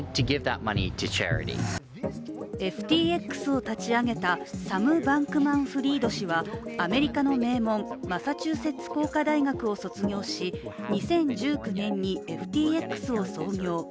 ＦＴＸを立ち上げたサム・バンクマンフリード氏はアメリカの名門、マサチューセッツ工科大学を卒業し２０１９年にＦＴＸを創業。